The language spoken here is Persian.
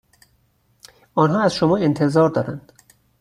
آنها از شما انتظار دارند